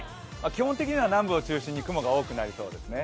基本的には南部を中心に雲が多くなりそうですね。